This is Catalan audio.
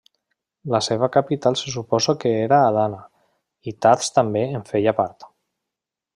La seva capital se suposa que era Adana, i Tars també en feia part.